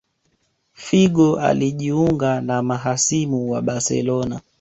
Figo alijunga na mahasimu wa Barcelona